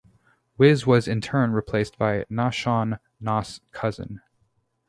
Wiz was in turn replaced by Nashawn, Nas' cousin.